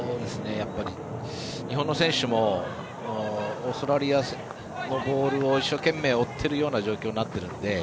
やっぱり日本の選手もオーストラリアのボールを一生懸命追ってるような状況になっているので。